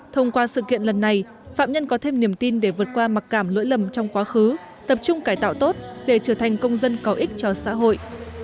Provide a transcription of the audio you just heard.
thông qua sự kiện lần này phạm nhân có thêm niềm tin để vượt qua mặc cảm lỗi lầm trong quá khứ tập trung cải tạo tốt để trở thành công dân có ích cho xã hội